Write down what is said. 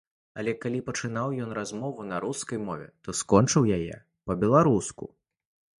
Але, калі пачынаў ён размову на рускай мове, то скончыў яе па-беларуску.